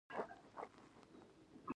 چوپتیا، د پوه سړي زینت دی.